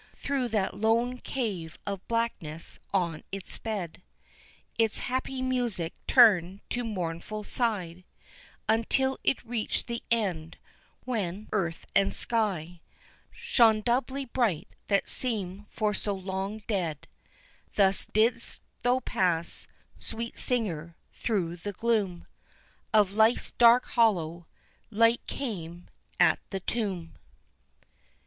Through that lone cave of blackness on it sped, Its happy music turned to mournful sigh, Until it reached the end, when earth and sky Shone doubly bright that seemed for so long dead; Thus didst thou pass, sweet singer, through the gloom Of life's dark hollow. Light came at the tomb.